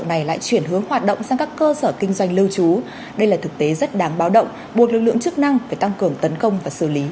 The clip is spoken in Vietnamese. nếu hoạt động sang các cơ sở kinh doanh lưu trú đây là thực tế rất đáng báo động buộc lực lượng chức năng phải tăng cường tấn công và xử lý